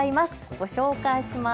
ご紹介します。